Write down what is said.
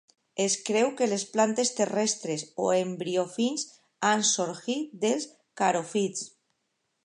Es creu que les plantes terrestres, o embriòfits, han sorgit dels caròfits.